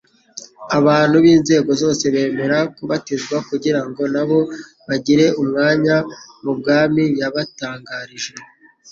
Abantu b'inzego zose bemera kubatizwa, kugira ngo na bo bagire umwanya mu bwami yabatangarije.